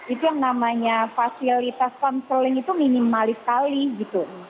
itu yang namanya fasilitas counseling itu minimalis kali gitu